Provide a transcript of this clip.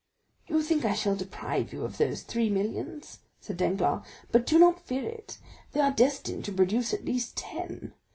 "You think I shall deprive you of those three millions," said Danglars; "but do not fear it. They are destined to produce at least ten.